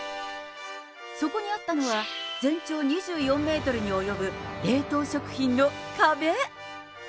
そこにあったのは、全長２４メートルに及ぶ冷凍食品の壁。